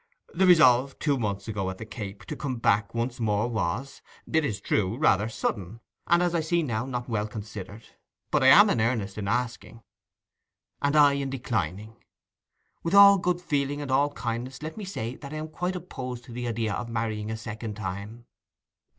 The resolve, two months ago, at the Cape, to come back once more was, it is true, rather sudden, and as I see now, not well considered. But I am in earnest in asking.' 'And I in declining. With all good feeling and all kindness, let me say that I am quite opposed to the idea of marrying a second time.